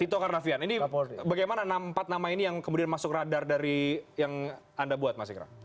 tito karnavian ini bagaimana empat nama ini yang kemudian masuk radar dari yang anda buat mas ikra